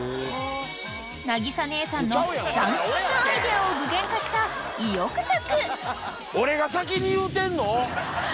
［なぎさ姉さんの斬新なアイデアを具現化した意欲作］